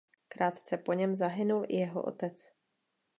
Krátce po něm zahynul i jeho otec.